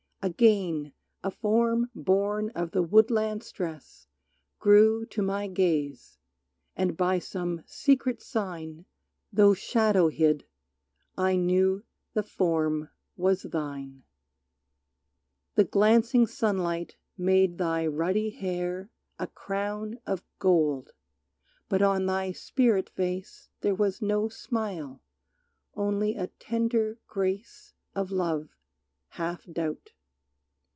Again a form born of the woodland stress Grew to my gaze, and by some secret sign Though shadow hid, I knew the form was thine. The glancing sunlight made thy ruddy hair A crown of gold, but on thy spirit face There was no smile, only a tender grace Of love half doubt.